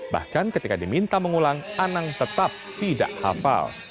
bahkan ketika diminta mengulang anang tetap tidak hafal